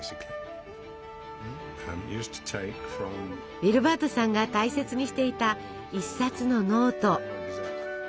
ウィルバートさんが大切にしていた１冊のノート。